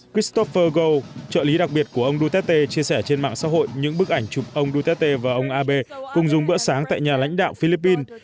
christopher trợ lý đặc biệt của ông duterte chia sẻ trên mạng xã hội những bức ảnh chụp ông duterte và ông abe cùng dùng bữa sáng tại nhà lãnh đạo philippines